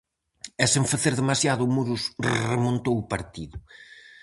E sen facer demasiado, o Muros remontou o partido.